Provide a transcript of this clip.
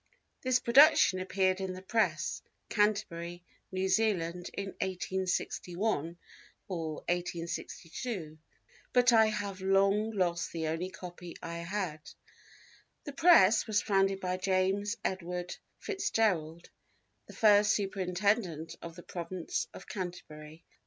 This production appeared in the Press, Canterbury, New Zealand, in 1861 or 1862, but I have long lost the only copy I had." The Press was founded by James Edward FitzGerald, the first Superintendent of the Province of Canterbury.